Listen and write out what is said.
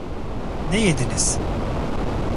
Ne yediniz?